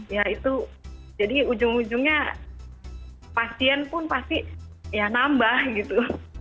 ya itu jadi ujung ujungnya pasien pun pasti ya nambah gitu